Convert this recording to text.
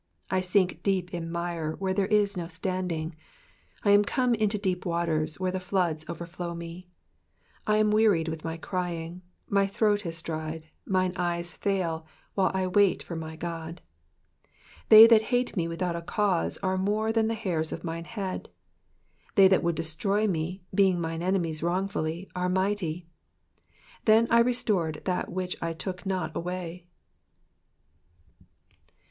2 I sink in deep mire, where tkere'is no standing: I am come into deep waters, where the floods overflow me. 3 I am weary of my crying : my throat is dried : mine eyes fail while I wait for my God. 4 They that hate me without a cause are more than the hairs of mine head : they that would destroy me, being mine enemies wrongfully, are mighty : then I restored tfiat which I took not away.